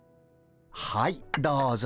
はいどうぞ。